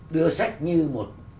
đưa sách như một